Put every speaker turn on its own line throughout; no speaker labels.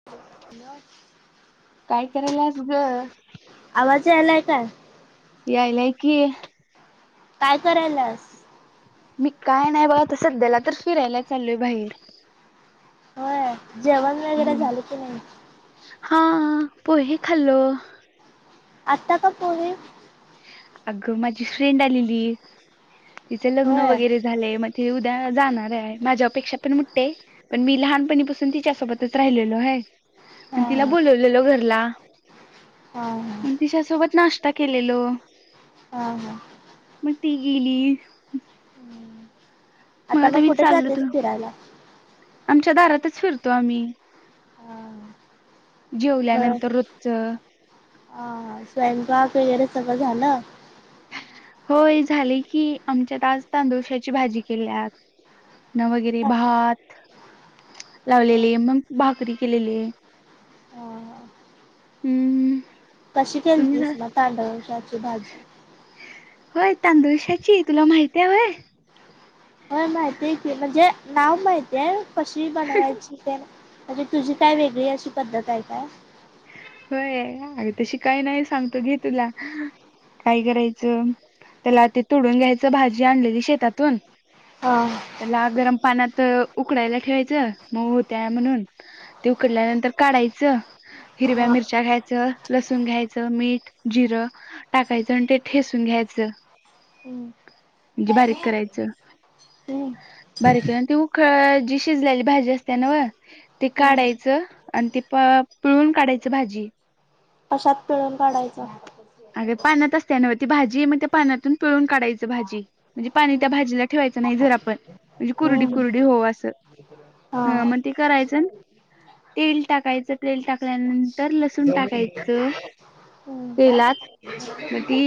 [inaudible]
काय करायल्यास गं?
आवाज यायलाय काय.
यायलाय की
काय करायलास?
मी काय नाही बघा, आता सध्याला तर फिरायला चाललोय बाहिर.
होय जेवण वगैरे झालं की नाही?
हा पोहे खाल्लो.
आत्ता का पोहे?
अगं माझी फ्रेंड आलेली, तिचं लग्न
होय
वगैरे झालेय मग ते उद्या जाणार आहे, माझ्या पेक्षा तर मोठेय. पण मी लहानपणीपासून तिच्यासोबतच राहिलेलो हा हे.
हा
पण तिला
हा
बोलावलेलो घरला
हा
मग तिच्यासोबत नाश्ता केल हॅलो
हा हा
मग ती गेली मग आता
कुठे
विचारलं
जातेस
तर,
फिरायला
आमच्या दारातच फिरतो आम्ही
बर
जेवल्यानंतर रोजचं
हा स्वयंपाक वगैरे सगळं झालं
होय झालंय की, आमच्यात आज तांदोळक्याची भाजी केल्यात. ना वगैरे
हा
भात
हा.
लावलेले मग भाकरी केलेले. हम्
कशी केलतीस ना तांदळश्या ची भाजी?
होय तांदुळशाची तुला माहिती आहे वय?
होय माहितीय आहे कि, म्हणजे नाव माहितीय कशी बनवायची ते म्हंजे तुझी काय वेगळी अशी पद्धत आहे का?
होय अगं तशी काही नाही सांगतो कि तुला. काय करायचं त्याला आति तुडून घ्यायचं भाजी आणलेली शेतातून
हां
त्याला गरम पाण्यात उकडायला ठेवायचं मऊ होत्याय म्हणून ते उकडल्यानंतर काढायचं हिरव्या
हा
मिरच्या घ्यायचं, लसूण घ्यायचं, मीठ, जिरं टाकायचं आणि ते ठेसून घ्यायचं.
हम्म
म्हणजे बारीक करायचं
हम्म
बारीक ती उखळ जी शिजलेली भाजी असते ना वं ते
हम्म
काढायचं, आणि ते प पिळून काढायचं भाजी.
कशात पिळून काढायचं?
अगे पाण्यात असते ना वं ती भाजी, मग त्या पाण्यातून पिळून काढायचं भाजी. म्हणजे पाणी त्या
हम्म.
भाजीला ठेवायचं नाही जर आपण म्हणजे कुरडी
हम्म
कुरडी होउ
हा
असं मग ते करायचं तेल टाकायचं तेल टाकल्यानंतर लसूण टाकायचं
हा
तेलात मग ती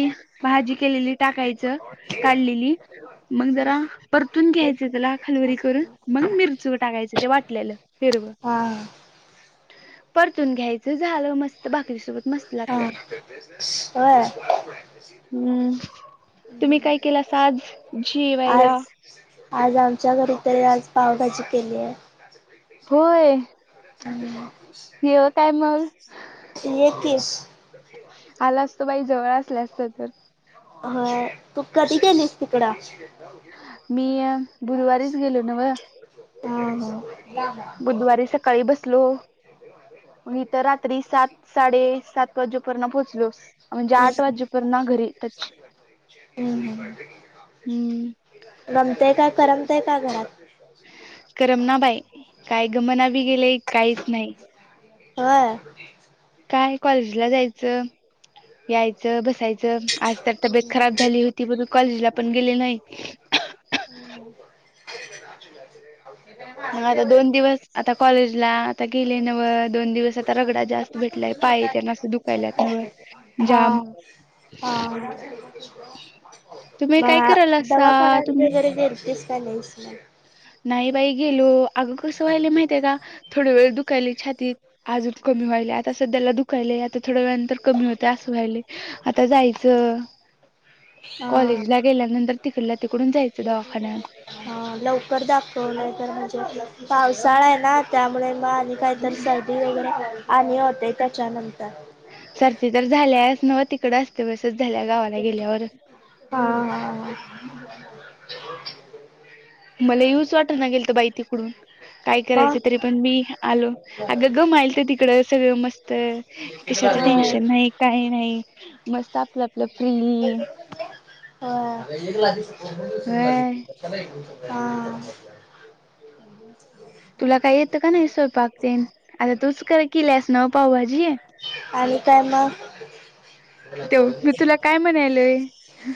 भाजी केलेली टाकायचं काढलेली, मग जरा परतून घ्यायचं त्याला खाली वरी करून मग मिरचू टाकायचं ते वाटल्यालं हिरवं
हा
परतून घ्यायचं झालं मस्त, भा करीसोबत मस्त लाग
हा होय.
हम्म तुम्ही काय केलास आज जेवायला
आज आज आमच्या घरी तरी आज पावभाजी केली आहे.
होय येव काय मग?
[inaudible] येतीस
आला असतो बाई जवळ असल्या असत्या तर.
होय तू कधी गेलीस तिकडं?
मी बुधवारीच गेलो नव
हा हा
बुधवारी सकाळी बसलो. मग इथ तर रात्री सात साडे सात वाजेपर्यंत पोहचलो म्हणजे आठ
हम्म
वाजेपर्यंत. ना घरी. टच हम्म
हम्म. रमतेय का करमतेय का घरात?
करमना बाय काय गमना बी गेले काहीच नाही.
हा
काय कॉलेजला जायचं यायचं बसायचं. आज तर तबीेत खराब झाली होती म्हणून कॉलेजला पण गेले नाही.
ह
मग आता दोन दिवस आता कॉलेजला आता गेले नव दोन दिवस आता रगडा जास्त. भेटलाय पायेतनासं दुखायलात नवं जाम.
पा.
तुम्ही काय करायला
मग
असा
दवाखान
तुम
वगैरे गेलतीस का नाहीस मग?
नाही बाई गेलो अगं कसं व्हालं माहितय का. थोड वेळ दुखायली छातीत आज कमी व्हाय आता सध्याला दुख ले आता थोड्या वेळानंतर कमी होते असू व्हायले आता जायचं.
हा
कॉलेज ला गेल्यानंतर तिकडला तिकडून जायचं दवाखान्यात.
हा लवकर दाखव नाही तर म्हणजे पावसाळा आहे ना त्यामुळे मग आणि काही तर सर्दी वगैरे आनी होतय त्याच्यानंतर.
सर्दी तर झाल्याच न तिकड असते बसच झाल्या गावाला गेल्यावर.
हा हा.
मला येऊच वाटना गेल तर बाई तिकडून. काय
मग
करायचं तरी पण मी आलो अगं गमाहिल तर तिकडं सगळं मस्त.
होय
कशाच
होय
टेन्शन नाही काही नाही मस्त आपलं आपलं फ्रीली.
ह
होय
ह [unintelligible]
तुला काय येतं का नाही स्वयंपाक तेन आता तूच कर केल्यास नव पाव भाजी.
आणि काय मग?
तेव मी तुला काय म्हणालोय?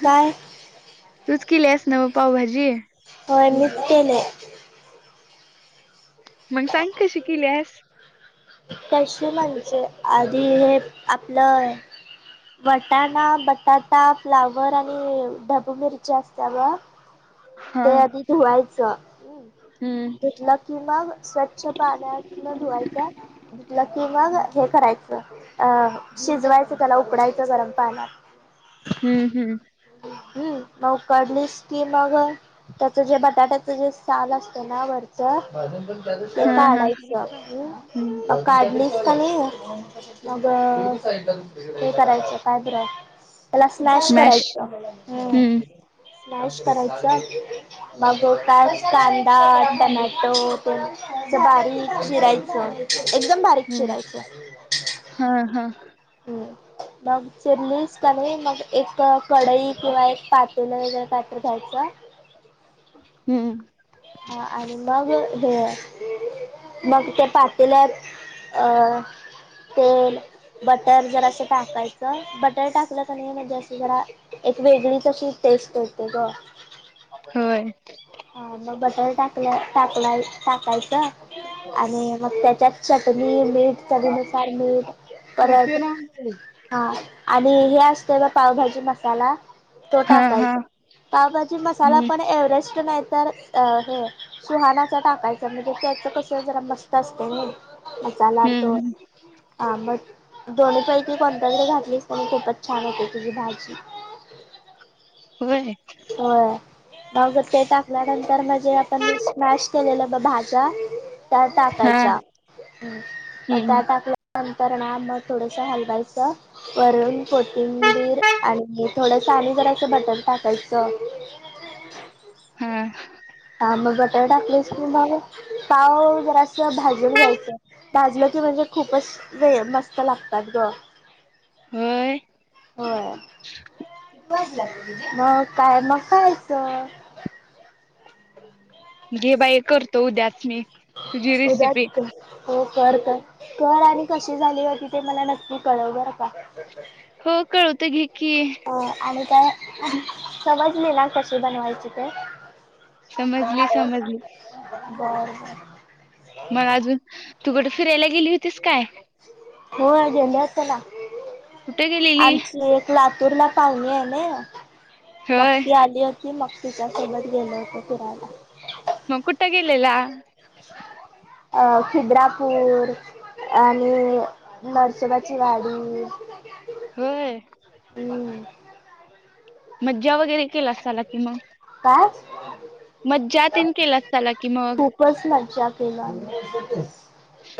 काय
तुच केलीयास नव पावभाजी?
होय मीच केली.
मग सांग कशी केल्यास?
कशी म्हणजे आधी हे आपलं वटाणा बटाटा फ्लावर आणि ढबू मिरची असत बघ.
हा
ते आधी धुवायचं.
हम्म
लं कि मग स्वच्छ पाण्यात न धुवायच. घलं की मग हे करायचं अ शिजवायचं त्याला उकडायचं गरम पाण्यात.
हम्म हम्म
हम् म ते उकडलीस की मग त्याच जे बटाट्याच जे साल असत ना वर ते
हा हा हम्म
काढायचं काढलीस कणी [inaudible] मग हे करायचं काय बर. तेला स्मॅश
मॅश
करायचं हम
हम्म
स्मॅश करायच. मग त्यात कांदा टमॅटो तेन ते बारीक चिरायचं एकदम बारीक
हम्म
चिरायचं.
हा हा
हम्म मग चिरलीस का नाही मग एक कडई किंवा एक पातेल वगैरे का घ्यायच.
हम्म
हा आणि मग हे. मग त्या पातेल्यात अ तेल बटर जरासं टाकायचं बटर टाकलं कनी म्हणजे असं जरा एक वेगळीच अशी टेस्ट होते ग.
होय.
हा मग बटर टाकल टाकलाय टाकायचं. आणि मग त्याच्यात चटणी, मीठ चवीनुसार मीठ परत हा आणि हे असतय बघ पावभाजी मसाला. तो
हा हा
टाकायचा पावभजी मसाला
हम्म
पण एव्हरेस्ट नाही तर अ हे सुहानाच टाकायच म्हणजे त्याच कस जरा मस्त असतय नाइं. मसाला तो,
हम्म हम्म
हा मत दोन्हीपैकी कोणताजरी घातलीस कणी खूपच छान होते तुझी भाजी.
व्हय.
होय. मग ते टाकल्यानंतर म्हणजे आपण स्मॅश केलेलं ब भाज्या त्या
हा
टाकायच्या म त्या
हम्म
टाकल्या नंतर ना म थोडसं हलवायचं. वरून कोथिंबीर आणि थोडसं आणि जरा असं बटर टाकायचं.
हा.
हा म बटर टाकलीस की मग, पाव जरासं भाजून घ्यायचं, भाजलं की म्हणजे खूपच वे मस्त लागतात ग.
होय
हो मग. काय मग खायचं.
घे बाई करतो उद्याच मी तुझी
उद्याच
रेसिपी.
कर हो कर कर कर आणि कशी झाली होती ते मला नक्की कळव बर का.
हो कळवते घे की.
अ आणि काय समजली ना कशी बनवायची ते.
समजली समजली.
बर बर.
मग अजून तू कठं फिरायला गेली होतीस काय?
होय गेले होते ना,
कुठे गेलेली
आमची एक लातूर ला पावणे आय नई मग
होय
ती आली हो ती मग तिच्यासोबत गेलो होतो फिरायला.
म कुठ गेलेला?
अ खिद्रापूर. आणि नरसोबाची वाडी.
होय.
हम्.
मज्जा वगैरे केला असाला की मग.
काय?
मज्जा तेन केला अस्ताला की मग.
[unintelligible] मज्जा केलो आम्ही.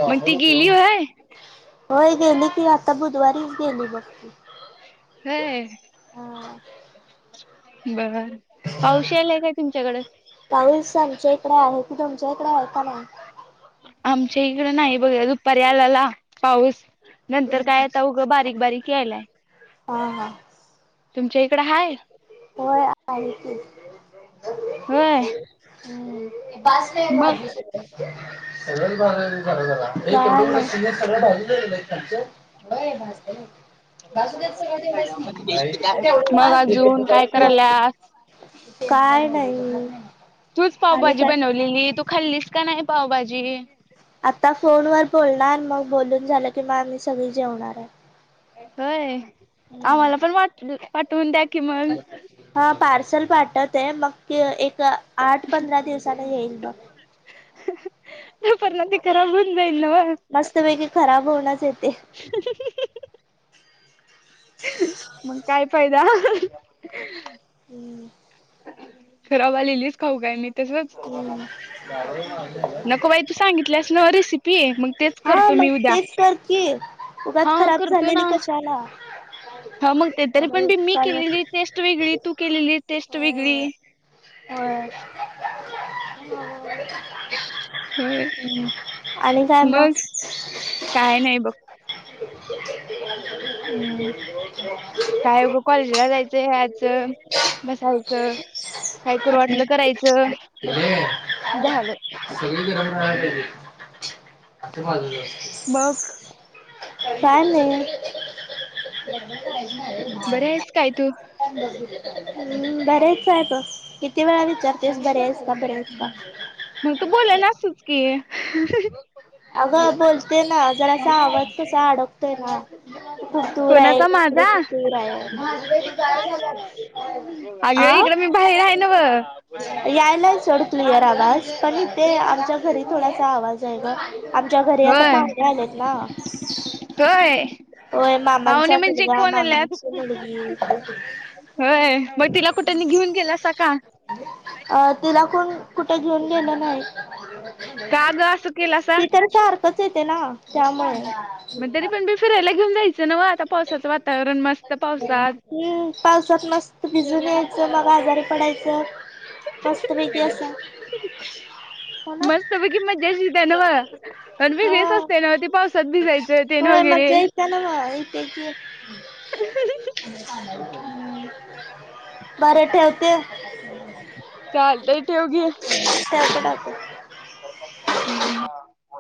मग ती गेली होय.
होय गेली की आता बुधवारी गेली बघ ती.
होय
हा
बर. पाऊश यायलाय काय तुमच्याकडे.
पाऊस आमच्या इकडे आहे की तुमच्या इकड आहे का नाही.
आमच्या इकड नाही बघा दुपारी आलेला पाऊस. नंतर काय आता उग बारीक बारीक यायलाय.
हा हा
तुमच्या इकडं हाय?
होय [inaudible]
होय मग
हम् [inaudible] [inaudible] होय [unintelligible]
मग अजून करायल्यास
काय नाही.
तूच
आणि
पावभाजी
काय
बनवलेली. तू खाल्लीस का नाही पावभाजी?
आता फोन वर बोलणार मग बोलून झालं की, मग आम्ही सगळी जेवणार आहे.
होय
हम्म.
आम्हाला पण वाट पाटवून द्या कि मग.
हा पार्सल पाठवते मग ते एक आठ पंधरा दिवसाने येईल मग.
[unintelligible] ते खराब होऊन जाईल नवा
मस्तपैकी खराब होऊनच येते.
ही ही ही मग काय फायदा?
हम्म
खराब लिलीच खाऊ काय मी? तसच
हम्म
नको बाई तू सांगितलंस ना रेसिपी मग तेच
हा
करतो मी
मग
उद्या
तेच करते उगच
हा
खराब झालेली कशाला?
ह मग ते तरी पण बी मी
होय
केलेली टेस्ट वेगळी. तू केलेली टेस्ट वेगळी.
ह
होय
हम्म आणि काय
मग काय नाही बघ.
हम्
काय गं कॉलेजला जायचंय व्हय आज बसायचं काय करू वाटलं करायचं.
त [inaudible]
झालं
[inaudible]
मग
काय नाही. [unintelligible]
बरी आहेस काय तू?
हम्म बरेच आहे किती वेळा विचारतेस बरेस [unintelligible]
मग तू बोलेनासच की.
अगं बोलते ना जरा अस आवाज कसा अडकतोय ना. खूप दूर आहे
कोणाचा
इकडे
माझा
खूप दूर आहे.
अगे
आ
इकडें मी बाहेर हाय न्हव.
यायलाय सोड क्लिअर आवाज पण इथे आमच्या घरी थोडासा आवाज आहे ग. आमच्या घरी आता
होय
पाहुणे आलेत ना.
होय.
होय
पाहुणे
मामांचा
म्हणजे
मुलगा
कोण आल्यात?
मामांची मुलगी
होय मग तिला कुठंनी घेऊन गेलासा का?
अं तिला कोण कुठे घेऊन गेलं नाही.
केलास
ती तर सारखंच येते ना त्यामुळे
मग तरी पण मी फिरायला घेऊन जायचं ना आता पावसाचं वातावरण मस्त पावसात
हम्म पावसात मस्त भिजून यायचं मग आजारी पडायचं. मस्तपैकी असं. हो ना
मस्तपैकी मज्जाच येतीय न व पण
हा
वेगळीच असते ना ते पाऊस कधी जायचं तेन वगैरे
त्याला [inaudible] बरे ठेवते.
चालतय ठेव घे.
[unintelligible]
हम्म.